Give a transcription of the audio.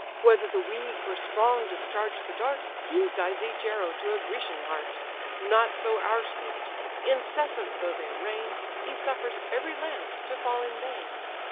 Whether the weak or strong discharge the dart, He guides each arrow to a Grecian heart: Not so our spears; incessant though they rain, He suffers every lance to fall in vain.